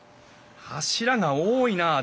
柱が多いなあ